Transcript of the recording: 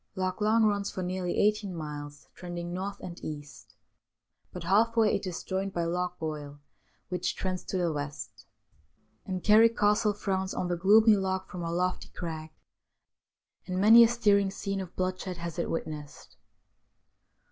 Loch Long runs for nearly eighteen miles, trending north and east, but half way it is joined by Loch Goil, which trends to the west, and Carrick Castle frowns on the gloomy loch from a lofty crag, and many a stirring scene of bloodshed has it witnessed.